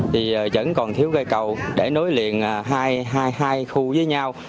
thì vẫn còn thiếu cây cầu để nối liền hai khu với nhau